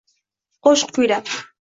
Qoʻshiq kuylab